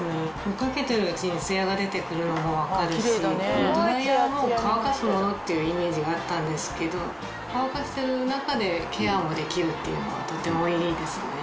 かけてるうちにツヤが出て来るのが分かるしドライヤーも乾かすものっていうイメージがあったんですけど乾かしてる中でケアもできるっていうのはとてもいいですね。